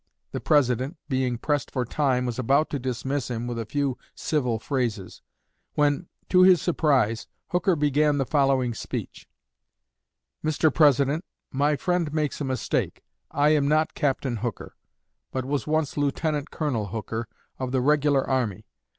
The President, being pressed for time, was about to dismiss him with a few civil phrases; when, to his surprise, Hooker began the following speech: "Mr. President, my friend makes a mistake. I am not 'Captain Hooker,' but was once 'Lieutenant Colonel Hooker' of the regular army.